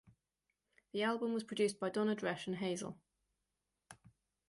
The album was produced by Donna Dresch and Hazel.